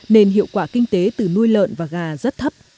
nên hiệu quả kinh tế từ nuôi lợn và gà rất thấp